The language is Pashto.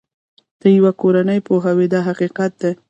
ته یوه کورنۍ پوهوې دا حقیقت دی.